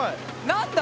何だ？